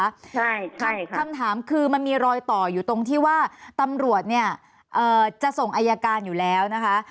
ใช่ค่ะคำถามคือมันมีรอยต่ออยู่ตรงที่ว่าตำรวจเนี่ยจะส่งอายการอยู่แล้วนะคะ